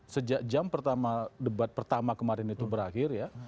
sejak jam pertama debat pertama kemarin itu berakhir ya